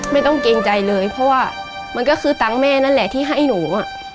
เกรงใจเลยเพราะว่ามันก็คือตังค์แม่นั่นแหละที่ให้หนู